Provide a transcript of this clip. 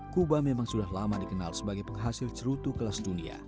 kuba memang sudah lama dikenal sebagai penghasil cerutu kelas dunia